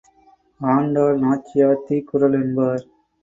ஆண்டாள் நாச்சியார் தீக்குறள் என்பார்.